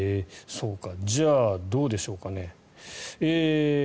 じゃあどうでしょうかね。